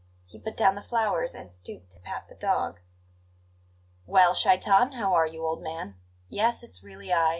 He put down the flowers and stooped to pat the dog. "Well, Shaitan, how are you, old man? Yes, it's really I.